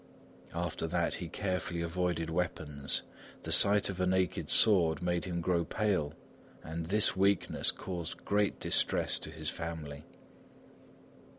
After that, he carefully avoided weapons. The sight of a naked sword made him grow pale, and this weakness caused great distress to his family.